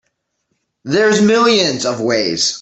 There's millions of ways.